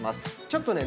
ちょっとね。